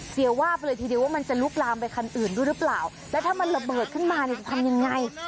เสียวาบไปเลยทีเดียวว่ามันจะลุกลามไปคันอื่นด้วยหรือเปล่าแล้วถ้ามันระเบิดขึ้นมาเนี่ยทำยังไง